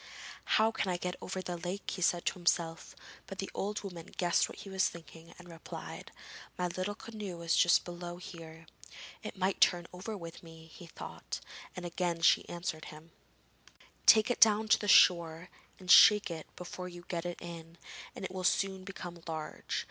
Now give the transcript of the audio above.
'How can I get over the lake?' he said to himself, but the old woman guessed what he was thinking and replied: 'My little canoe is just below here.' 'It might turn over with me,' he thought, and again she answered him: 'Take it down to the shore and shake it before you get in, and it will soon become large.